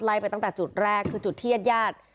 ไล่ไปตั้งแต่จุดแรกคือจุดที่ญาติ